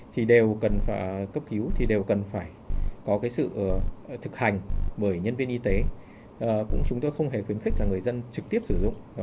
thì đều cần phải cấp cứu thì đều cần phải có cái sự thực hành bởi nhân viên y tế chúng tôi không hề khuyến khích là người dân trực tiếp sử dụng